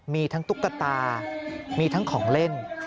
มีทั้งตุ๊กตามีทั้งของเล่น